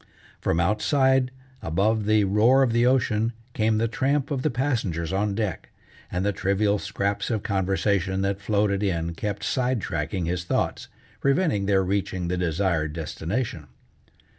From outside above the roar of the ocean, came the tramp of the passengers on deck, and the trivial scraps of conversation that floated in kept side tracking his thoughts, preventing their reaching the desired destination.